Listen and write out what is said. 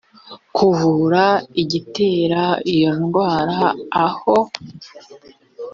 kuvura igitera iyo ndwara aho